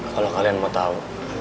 kalau kalian mau tau